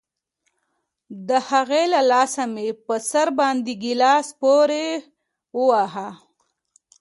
د هغې له لاسه مې په سر باندې گيلاس پورې وواهه.